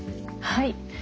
はい。